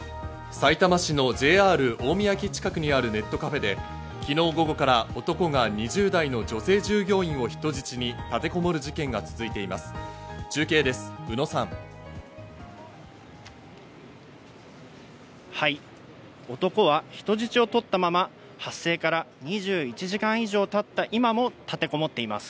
さいたま市のＪＲ大宮駅近くにあるネットカフェで昨日午後から男が２０代の女性従業員を人質に立てこもる事件が続いています。